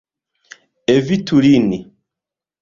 Evitu lin.